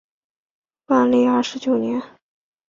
万历二十九年进士。